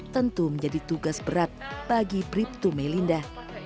tentu menjadi tugas berat bagi brip tu melinda